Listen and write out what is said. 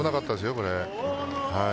これ。